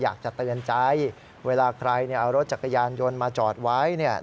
อยากจะเตือนใจเวลาใครเอารถจักรยานยนต์มาจอดไว้เนี่ย